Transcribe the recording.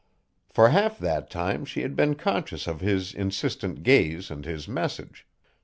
For half that time she had been conscious of his insistent gaze and his message.